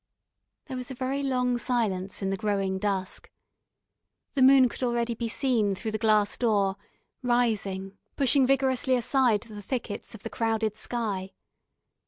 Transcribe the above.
There was a very long silence in the growing dusk. The moon could already be seen through the glass door, rising, pushing vigorously aside the thickets of the crowded sky.